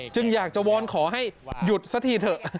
จึงอยากจะวอนขอให้หยุดซะทีเถอะ